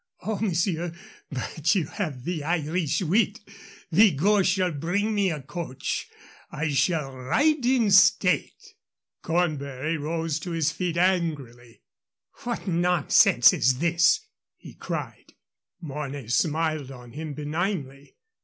"Oh, monsieur, but you have the Irish wit. Vigot shall bring me a coach. I shall ride in state." Cornbury rose to his feet angrily. "What nonsense is this?" he cried. Mornay smiled on him benignly.